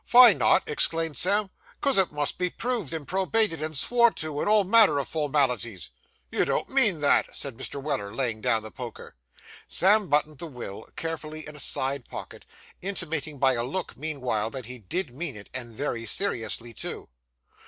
'Vy not?' exclaimed Sam. ''Cos it must be proved, and probated, and swore to, and all manner o' formalities.' 'You don't mean that?' said Mr. Weller, laying down the poker. Sam buttoned the will carefully in a side pocket; intimating by a look, meanwhile, that he did mean it, and very seriously too.